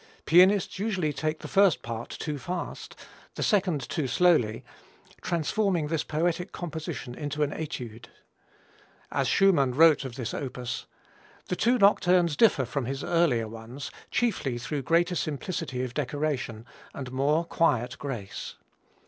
Pianists usually take the first part too fast, the second too slowly, transforming this poetic composition into an etude. As Schumann wrote of this opus: "The two nocturnes differ from his earlier ones chiefly through greater simplicity of decoration and more quiet grace.